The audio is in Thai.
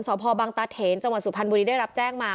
สพบังตาเถนจังหวัดสุพรรณบุรีได้รับแจ้งมา